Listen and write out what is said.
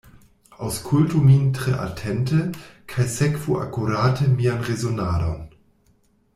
Aŭskultu min tre atente, kaj sekvu akurate mian rezonadon.